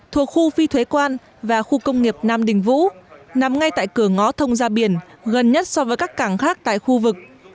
thuộc khu phi thuế quan và khu công nghiệp nam đình vũ nằm ngay tại cửa ngó thông gia biển gần nhất so với các cảng khác tại khu vực